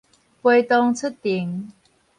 陪同出庭